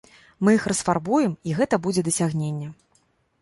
Мы іх расфарбуем, і гэта будзе дасягненне.